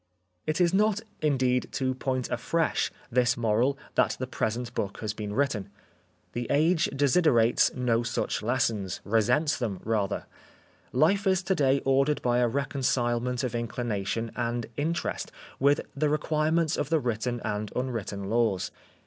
It is not, indeed, to point afresh this moral ix Preface that the present book has been written. The age desiderates no such lessons, resents them rather. Life is to day ordered by a reconcilement of inclination and interest with the requirements of the written and unwritten laws.